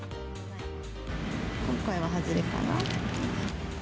今回は外れかな。